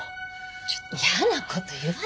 ちょっと嫌な事言わないでよ。